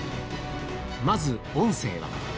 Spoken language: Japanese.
まず音声は。